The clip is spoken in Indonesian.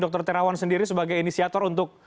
dr terawan sendiri sebagai inisiator untuk